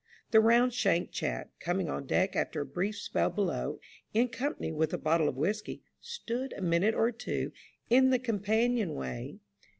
The round shanked chap, coming on deck after a brief spell below, in company with a bottle of whiskey, stood a minute or two in the companion way 220 AN OCEAN MTSTEBY.